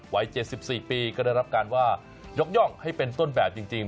วัย๗๔ปีก็ได้รับการว่ายกย่องให้เป็นต้นแบบจริง